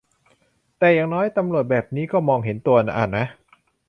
แต่อย่างน้อยตำรวจแบบนี้ก็มองเห็นตัวอ่ะนะ